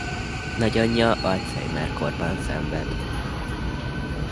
Nagyanyja Alzheimer-kórban szenved.